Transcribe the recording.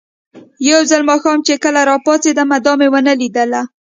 یو ځل ماښام چې کله راپاڅېدم، دا مې ونه لیدله.